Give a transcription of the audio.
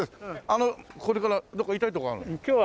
あのこれからどこか行きたい所あるんです？